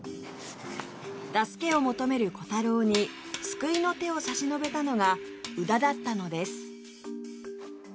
助けを求めるコタローに救いの手を差し伸べたのが宇田だったのです